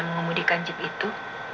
mengemudikan cip itu